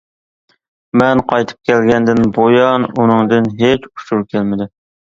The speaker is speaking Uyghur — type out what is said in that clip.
مەن قايتىپ كەلگەندىن بۇيان ئۇنىڭدىن ھېچ ئۇچۇر كەلمىدى.